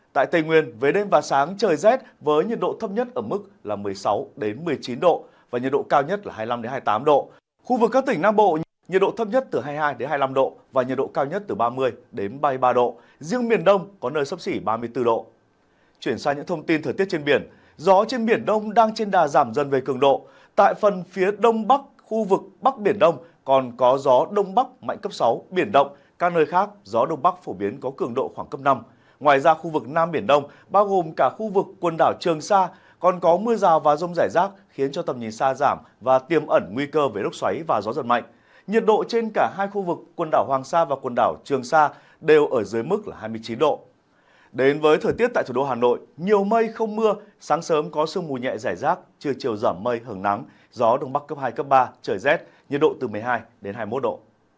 trước thời tiết tại thủ đô hà nội nhiều mây không mưa sáng sớm có sương mù nhẹ rẻ rác chưa chiều dở mây hởng nắng gió đông bắc cấp hai cấp ba trời rét nhiệt độ từ một mươi hai đến hai mươi một độ